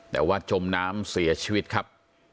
แต่ว่าจมน้ำเสียชีวิตครับ